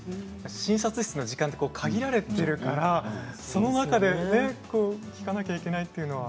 診察室の時間は限られているから、その中で聞かなきゃいけないというのは。